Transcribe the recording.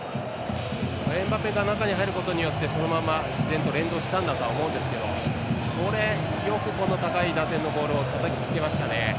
エムバペが中に入ることによってそのまま、自然と連動したんだと思いますがよくこの高い打点のボールをたたきつけましたね。